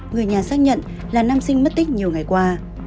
người nhà xác nhận là nam sinh mất tích nhiều ngày qua